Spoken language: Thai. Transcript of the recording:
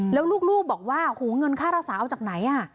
แล้วลูกบอกว่าหูเงินค่ารักษาเอาจากไหน